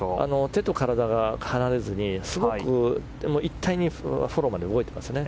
手と体が離れずに一体にフォローまで動いていますね。